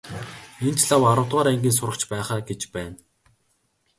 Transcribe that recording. Энэ ч лав аравдугаар ангийн сурагч байх аа гэж байна.